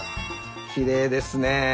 きれいですね。